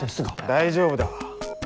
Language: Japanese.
大丈夫だ。